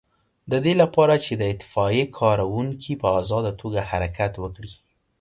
د دې لپاره چې د اطفائیې کارکوونکي په آزاده توګه حرکت وکړي.